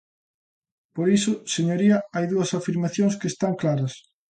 Por iso, señoría, hai dúas afirmacións que están claras.